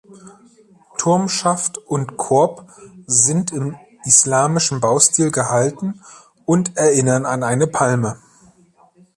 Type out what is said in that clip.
Turmschaft und -korb sind im islamischen Baustil gehalten und erinnern an eine Palme.